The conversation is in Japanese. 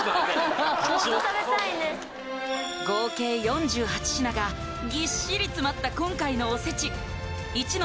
合計４８品がぎっしり詰まった今回のおせち壱之